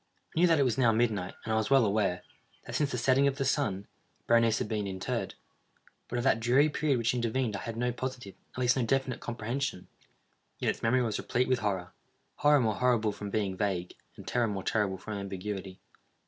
I knew that it was now midnight, and I was well aware, that since the setting of the sun, Berenice had been interred. But of that dreary period which intervened I had no positive, at least no definite comprehension. Yet its memory was replete with horror—horror more horrible from being vague, and terror more terrible from ambiguity.